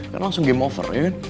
kan langsung game over ya kan